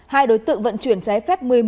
hai đối tượng vận chuyển trái phép một mươi một